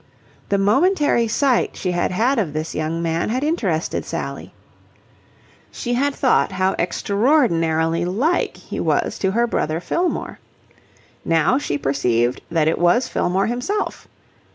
The momentary sight she had had of this young man had interested Sally. She had thought how extraordinarily like he was to her brother Fillmore. Now she perceived that it was Fillmore himself.